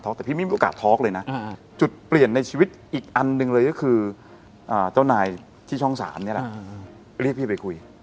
แต่พี่ไม่มีโอกาสทอล์กเลยนะจุดเปลี่ยนในชีวิตอีกอันหนึ่งเลยก็คือเจ้านายที่ช่อง๓นี่แหละเรียกพี่ไปคุย